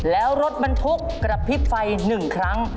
แล้วรถบรรทุกกระพริบไฟ๑ครั้ง